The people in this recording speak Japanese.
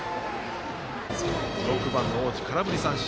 ６番の大路、空振り三振。